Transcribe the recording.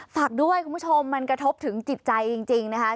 ฝากด้วยคุณผู้ชมมันกระทบถึงจิตใจจริงนะคะ